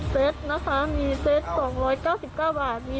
เซต๒๙๙บาทมี๔๙๙บาท